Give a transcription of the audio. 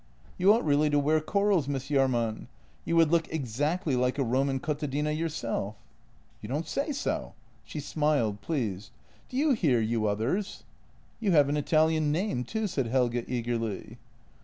" You ought really to wear corals, Miss Jahrman. You would look exactly like a Roman contadina yourself." " You don't say so! " She smiled, pleased. " Do you hear, you others? "" You have an Italian name, too," said Helge eagerly.